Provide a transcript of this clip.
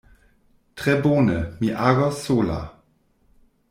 Tre bone: mi agos sola.